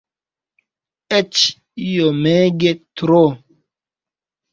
Eĉ iomege tro.